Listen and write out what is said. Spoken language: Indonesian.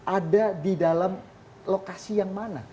ada di dalam lokasi yang mana